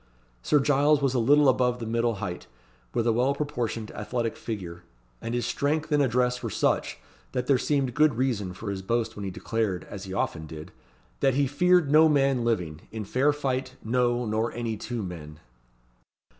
Sir Giles was a little above the middle height, with a well proportioned athletic figure; and his strength and address were such, that there seemed good reason for his boast when he declared, as he often did, "that he feared no man living, in fair fight, no, nor any two men."